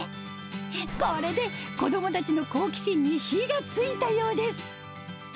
これで子どもたちの好奇心に火がついたようです。